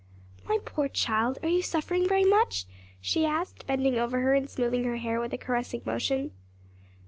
"My poor child! are you suffering very much?" she asked, bending over her and smoothing her hair with a caressing motion.